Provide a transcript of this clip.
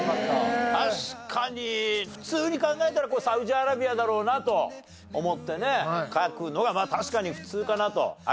確かに普通に考えたらサウジアラビアだろうなと思って書くのがまあ確かに普通かなと。